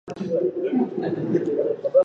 هغې د خپلې کورنۍ ملاتړ د لوست زمینه برابره کړه.